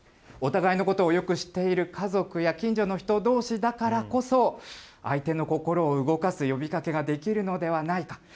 お互いのことをよく知っている家族や近所の人どうしだからこそ、相手の心を動かす呼びかけができるのではないか。